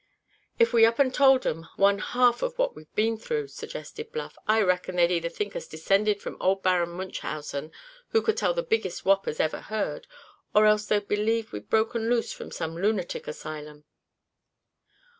"If we up and told 'em one half of what we've been through," suggested Bluff, "I reckon they'd either think us descended from old Baron Munchausen, who could tell the biggest whoppers ever heard; or else they'd believe we'd broken loose from some lunatic asylum."